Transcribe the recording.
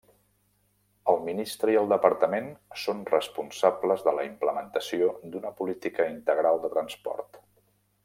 El ministre i el Departament són responsables de la implementació d'una política integral de transport.